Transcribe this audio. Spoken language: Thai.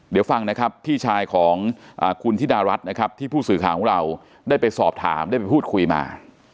เดี๋ยวฟังนะครับพี่ชายของคุณธิดารัฐนะครับที่ผู้สื่อข่าวของเราได้ไปสอบถามได้ไปพูดคุยมา